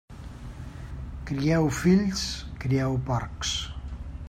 Crieu fills, crieu porcs.